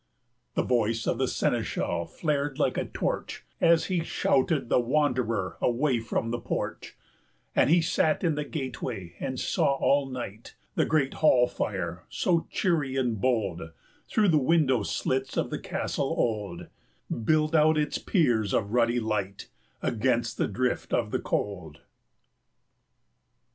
The voice of the seneschal flared like a torch As he shouted the wanderer away from the porch, And he sat in the gateway and saw all night 235 The great hall fire, so cheery and bold, Through the window slits of the castle old, Build out its piers of ruddy light Against the drift of the cold.